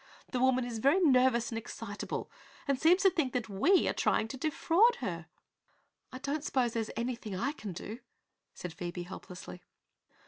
The woman is very nervous and excitable and seems to think we are trying to defraud her." "I I don't suppose there is anything I can do?" said Phoebe helplessly.